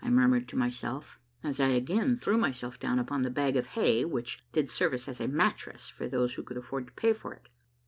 murmured to myself, as I again threw myself down upon the bag of hay which did service as a mattress for those who could afford to pay for it.